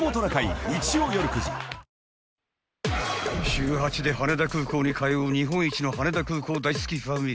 ［週８で羽田空港に通う日本一の羽田空港大好きファミリー］